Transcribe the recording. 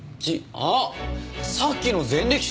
さっきの前歴者！